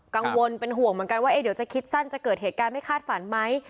กังวลเป็นห่วงเหมือนกันว่าเดี๋ยวจะคิดสั้นจะเกิดเหตุการณ์ไม่คาดฝันไหม